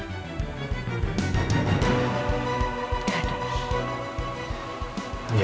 ini ada di mana